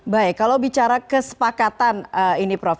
baik kalau bicara kesepakatan ini prof